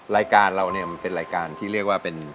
รายการเราเนี่ยมันเป็นรายการที่เรียกว่าเป็น